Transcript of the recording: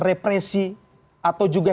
represi atau juga